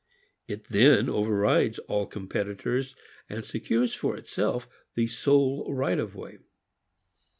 It then overrides all competitors and secures for itself the sole right of way.